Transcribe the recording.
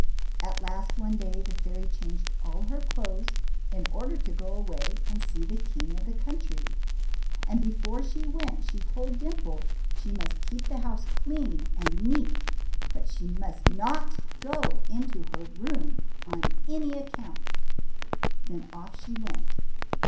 At last one day the fairy changed all her clothes in order to go away and see the king of the country ; and before she went, she told Dimple she must keep the house clean and neat, but she must not go into her room on any account. Then off she went.